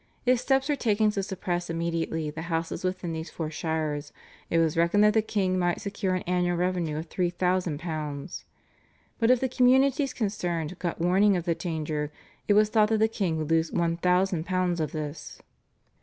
If steps were taken to suppress immediately the houses within these four shires it was reckoned that the king might secure an annual revenue of £3,000, but if the communities concerned got warning of the danger it was thought that the king would lose £1,000 of this.